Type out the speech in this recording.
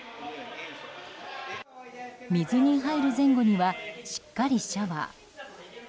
水に入る前後にはしっかりシャワー。